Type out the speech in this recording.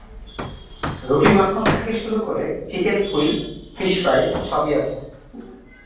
রুটি মাখন থেকে শুরু করে চিকেন ফুই, ফিস ফ্রাই সবই আছে।